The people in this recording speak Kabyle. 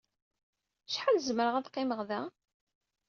Acḥal i zemreɣ ad qqimeɣ da?